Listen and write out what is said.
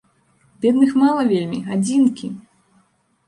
Бедных мала вельмі, адзінкі!